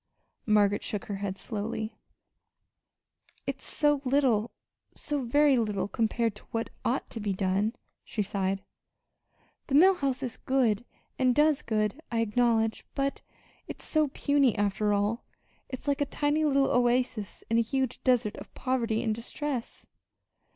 Margaret shook her head slowly. "It's so little so very little compared to what ought to be done," she sighed. "The Mill House is good and does good, I acknowledge; but it's so puny after all. It's like a tiny little oasis in a huge desert of poverty and distress."